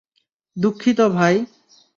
দুঃখিত, ভাই।